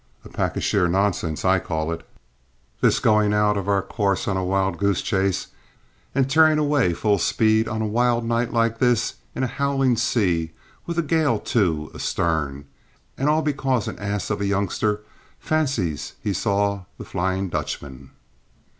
"A pack of sheer nonsense, I call it, this going out of our course on a wild goose chase and tearing away full speed on a wild night like this, in a howling sea, with a gale, too, astern; and all because an ass of a youngster fancies he saw the Flying Dutchman!"